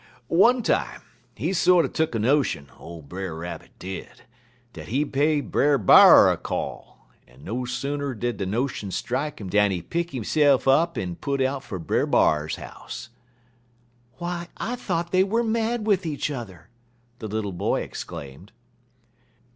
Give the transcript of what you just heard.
"One time, he sorter tuck a notion, ole Brer Rabbit did, dat he'd pay Brer B'ar a call, en no sooner do de notion strike 'im dan he pick hisse'f up en put out fer Brer B'ar house." "Why, I thought they were mad with each other," the little boy exclaimed.